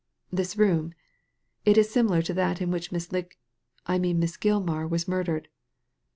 "This room. It is similar to that in which Miss Lig — I mean in which Miss Gilmar was murdered."